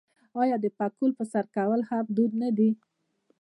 آیا د پکول په سر کول هم دود نه دی؟